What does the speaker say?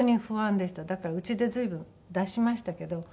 だからうちで随分出しましたけど。